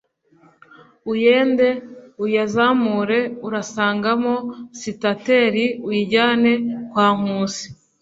uyende uyazamure urasangamo sitateri uyijyane kwa nkusi